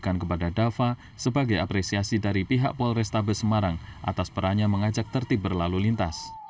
berikan kepada dava sebagai apresiasi dari pihak polrestabes semarang atas perannya mengajak tertib berlalu lintas